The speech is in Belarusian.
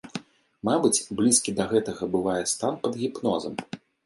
Мабыць, блізкі да гэтага бывае стан пад гіпнозам.